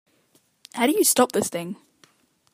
How do you stop this thing?